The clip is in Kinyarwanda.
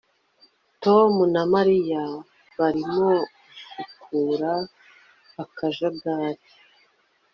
Tom na Mariya barimo gusukura akajagari